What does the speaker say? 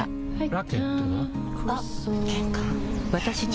ラケットは？